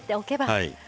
はい。